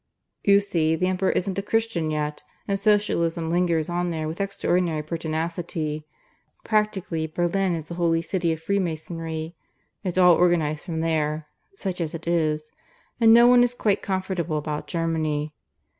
"You see the Emperor isn't a Christian yet; and Socialism lingers on there with extraordinary pertinacity. Practically Berlin is the Holy City of Freemasonry. It's all organized from there such as it is. And no one is quite comfortable about Germany.